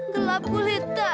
gelap kulit dah